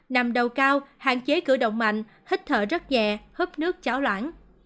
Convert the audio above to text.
nằm đầu cao hạn chế cử động mạnh hít thở rất nhẹ hấp nước chảo loãng